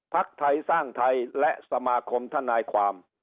ไทยสร้างไทยและสมาคมทนายความ